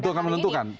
itu akan menentukan